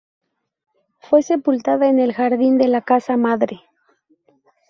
Fue sepultada en el jardín de la casa madre.